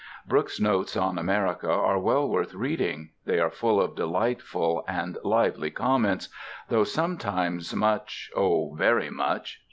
Brooke's notes on America are well worth reading: they are full of delightful and lively comments, though sometimes much (oh, very much!)